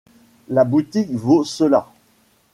La boutique vaut cela.